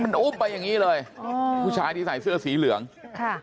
มันอุ้มไปอย่างงี้เลยอ๋อผู้ชายที่ใส่เสื้อสีเหลืองค่ะ